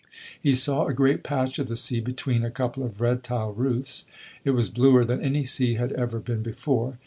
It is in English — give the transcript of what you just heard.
He saw a great patch of the sea between a couple of red tiled roofs; it was bluer than any sea had ever been before.